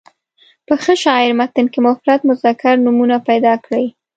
په ښه شاعر متن کې مفرد مذکر نومونه پیدا کړي.